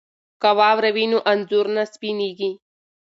که واوره وي نو انځور نه سپینیږي.